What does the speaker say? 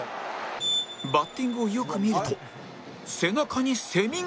バッティングをよく見ると背中にセミが！